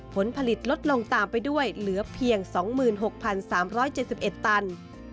ผลผลิตลดลงตามไปด้วยเหลือเพียง๒๖๓๗๑ตัน